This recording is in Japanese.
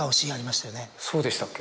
そうでしたっけ？